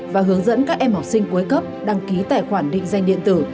và hướng dẫn các em học sinh cuối cấp đăng ký tài khoản định danh điện tử